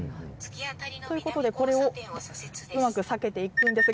ということで、これを避けていくんですが。